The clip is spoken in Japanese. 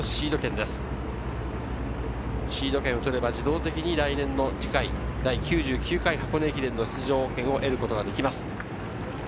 シード権を取れば自動的に来年の次回第９９回箱根駅伝の出場権を得ることができます。